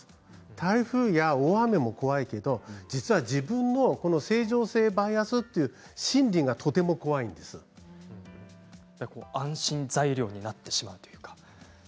台風や大雨も怖いけれど実は自分の正常性バイアスという安心材料になってしまうというか。